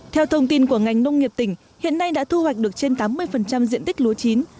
theo thông tin của ngành nông nghiệp tỉnh hiện nay đã thu hoạch được trên tám mươi diện tích lúa chín